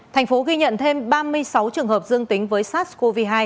thành phố ghi nhận thêm ba mươi sáu trường hợp dương tính với sars cov hai